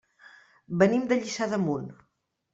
Venim de Lliçà d'Amunt.